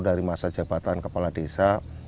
dari masa jabatan kepala desa